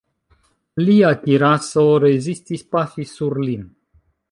Lia kiraso rezistis pafi sur lin.